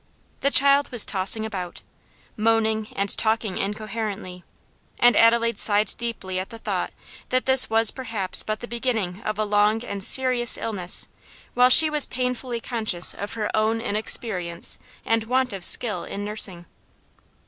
The child was tossing about, moaning, and talking incoherently, and Adelaide sighed deeply at the thought that this was perhaps but the beginning of a long and serious illness, while she was painfully conscious of her own inexperience and want of skill in nursing.